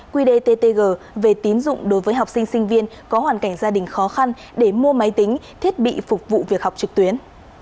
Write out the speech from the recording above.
quy đề ttg về tín dụng đối với học sinh sinh viên có hoàn cảnh gia đình khó khăn để mua máy tính thiết bị phục vụ việc học trực tuyến